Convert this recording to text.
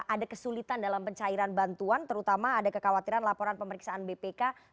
ada kesulitan dalam pencairan bantuan terutama ada kekhawatiran laporan pemeriksaan bpk